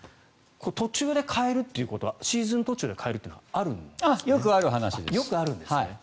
途中で変えるということはシーズン途中で変えるということはよくあるんですか？